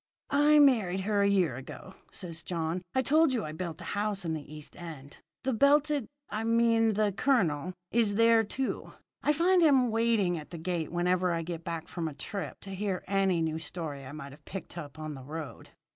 "I married her a year ago," said John. "I told you I built a house in the East End. The belted I mean the colonel is there, too. I find him waiting at the gate whenever I get back from a trip to hear any new story I might have picked up on the road."